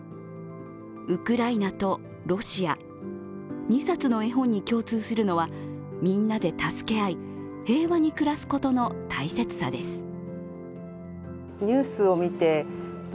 ウクライナとロシア、二冊の絵本に共通するのはみんなで助け合い、平和に暮らすことの大切さです。